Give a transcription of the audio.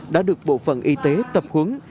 đã được bộ phần y tế tập huyện